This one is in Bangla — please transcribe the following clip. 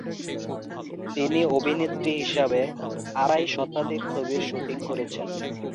তিনি অভিনেত্রী হিসাবে আড়াই শতাধিক ছবির শুটিং করেছেন।